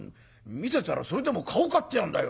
見せたらそれでも顔かって言うんだよ。